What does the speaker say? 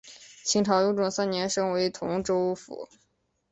清朝雍正三年升为同州府。